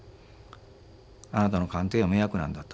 「あなたの鑑定は迷惑なんだ」と。